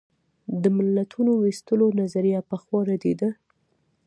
د ملتونو وېستلو نظریه پخوا ردېده.